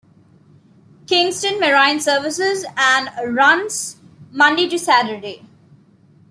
Kingston Marine Services and runs Monday to Saturday.